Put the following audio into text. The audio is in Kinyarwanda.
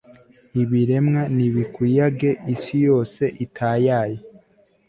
ibiremwa nibikuyage, isi yose itayaye